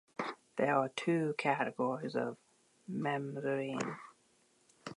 There are two categories of mamzerim.